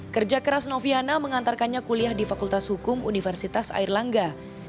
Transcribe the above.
kerja keras noviana mengantarkannya kuliah di fakultas hukum universitas airlangga